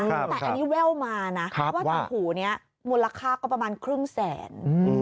แต่อันนี้แว่วมานะว่าทางหูนี้มูลค่าก็ประมาณครึ่งแสน